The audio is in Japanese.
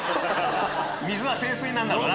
水は聖水なんだろうな。